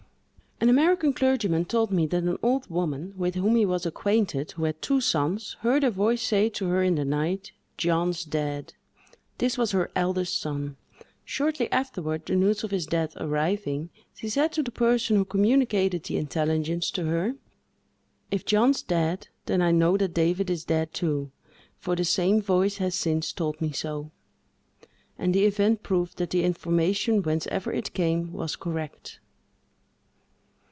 An American clergyman told me that an old woman, with whom he was acquainted, who had two sons, heard a voice say to her in the night, "John's dead!" This was her eldest son. Shortly afterward, the news of his death arriving, she said to the person who communicated the intelligence to her, "If John's dead, then I know that David is dead, too, for the same voice has since told me so;" and the event proved that the information, whence ever it came, was correct.